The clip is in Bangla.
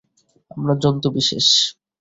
আমরা জন্তু বিশেষ।